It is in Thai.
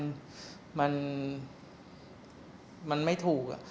ก็นั่นแหละพี่มันไม่ถูก